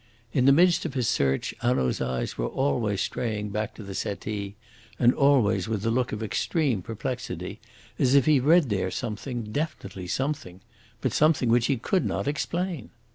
In the midst of his search Hanaud's eyes were always straying back to the settee, and always with a look of extreme perplexity, as if he read there something, definitely something, but something which he could not explain.